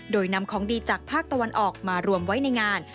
โดยนำของดีจากภาคตะวันออกมารวมไว้ในงาน